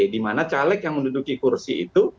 dimana caleg yang menduduki kursi itu